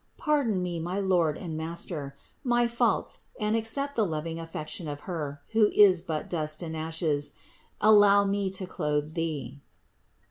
Pardon me, my Lord and Master, my faults and accept the loving affection of her, who is but dust and ashes : allow me to clothe Thee."